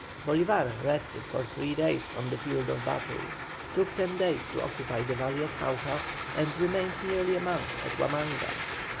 Bolívar rested for three days on the field of battle, took ten days to occupy the valley of Jauja, and remained nearly a month at Huamanga.